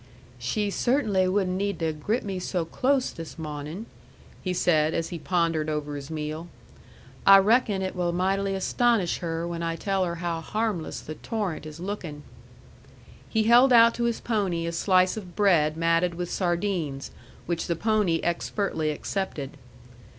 "She cert'nly wouldn't need to grip me so close this mawnin'," he said, as he pondered over his meal. "I reckon it will mightily astonish her when I tell her how harmless the torrent is lookin'." He held out to his pony a slice of bread matted with sardines, which the pony expertly accepted.